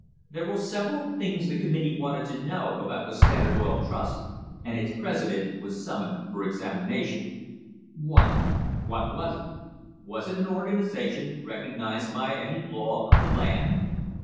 There were several things the committee wanted to know about the Standard Oil Trust, and its president was summoned for examination, (i) What was it? Was it an organisation recognised by any law of the land?